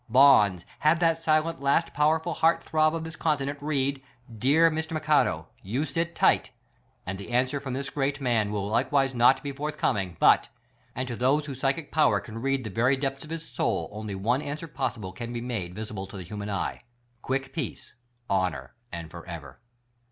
Bonds, have that silent but powerful heart throb of this continent, read: Dear Mr. McAdoo: You sit tight! ... And the answer from this great man will likewise not be forthcoming, but ! and to those whose psychic power can read the very depths of his soul, only one answer possible can be made visible to the human eye: Quick peace; honor — and forever.